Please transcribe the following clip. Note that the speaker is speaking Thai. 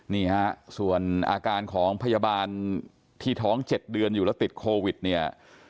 นี่ฮะส่วนอาการของพยาบาลที่ท้อง๗เดือนอยู่แล้วติดโควิดเนี่ย